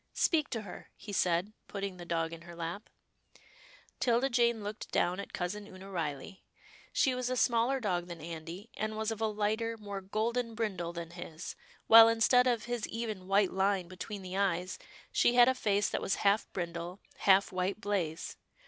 " Speak to her," he said, putting the dog in her lap. 'Tilda Jane looked down at Cousin Oonah Riley. She was a smaller dog than Andy, and was of a lighter, more golden brindle than his, while instead of his even white line between the eyes, she had a face that was half brindle, half white blaze.